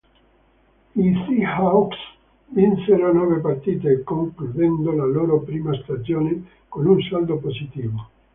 I Seahawks vinsero nove partite, concludendo la loro prima stagione con un saldo positivo.